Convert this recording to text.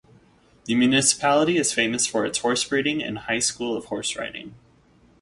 The municipality is famous for its horse breeding and high school of horseriding.